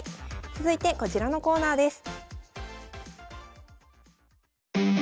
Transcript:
続いてこちらのコーナーです。